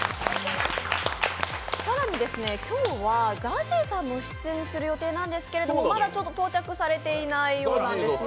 更に今日はＺＡＺＹさんも出演する予定なんですけど、まだちょっと到着されていないようなんですよね。